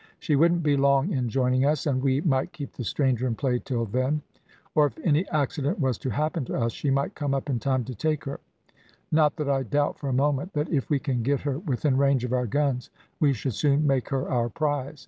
She wouldn't be long in joining us, and we might keep the stranger in play till then, or if any accident was to happen to us she might come up in time to take her; not that I doubt, for a moment, that if we can get her within range of our guns, we should soon make her our prize.